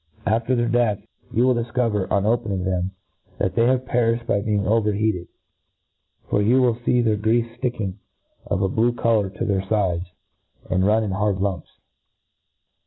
After their death, you will difcover, on opehing them^ thlt they perifhed by being over heated j for you will fee their greafe fl:icking, of a blue colour, to their fides, and run in hard lumps.